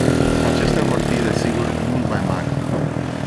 Acestea vor fi, desigur, mult mai mari.